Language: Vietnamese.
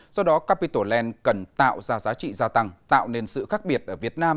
do đó capital land cần tạo ra giá trị gia tăng tạo nên sự khác biệt ở việt nam